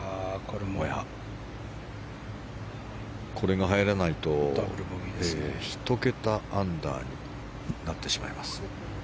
これが入らないと１桁アンダーになってしまいます。